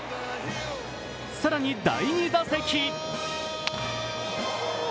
更に第２打席。